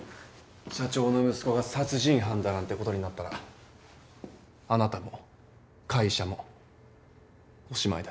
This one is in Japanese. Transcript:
社長の息子が殺人犯だなんてことになったらあなたも会社もおしまいだ。